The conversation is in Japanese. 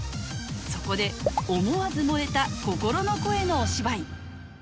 そこで思わず漏れた心の声のお芝居